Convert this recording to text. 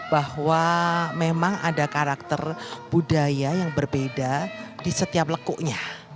bahwa memang ada karakter budaya yang berbeda di setiap lekuknya